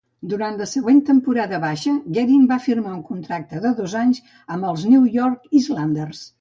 Durant la següent temporada baixa, Guerin va firmar un contracte de dos anys amb els New York Islanders.